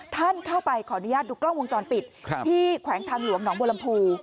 ท่านเข้าไปขออนุญาตดูกล้องวงจรปิดที่แขวงทางหลวงหนองบัวลำพู